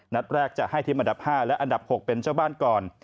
นัดแรกจะให้ทีมอันดับ๕และอันดับ๖เป็นเจ้าบ้านก่อน